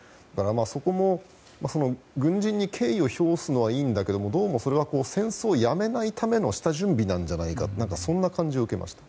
そこも軍人に敬意を表すのはいいんだけどどうもそれは戦争をやめないための下準備なんじゃないかとそんな感じを受けました。